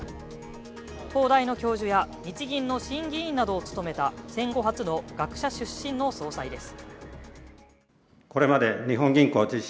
東大の教授や日銀の審議委員などを務めた戦後初の学者出身の総裁です。